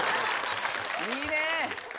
いいね！